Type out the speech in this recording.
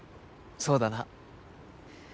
そうだな。